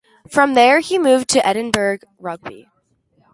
From there he moved to Edinburgh Rugby.